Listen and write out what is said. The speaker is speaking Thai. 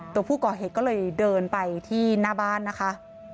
ตัวผู้ก่อเหตุก็เลยเดินไปที่หน้าบ้านนะคะ